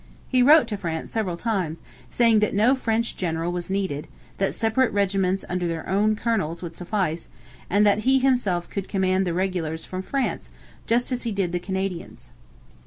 He wrote to France several times, saying that no French general was needed, that separate regiments under their own colonels would suffice, and that he himself could command the regulars from France, just as he did the Canadians.